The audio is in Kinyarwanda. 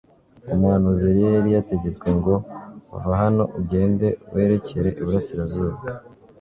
Umuhanuzi Eliya yari yategetswe ngo Va hano ugende werekere iburasirazuba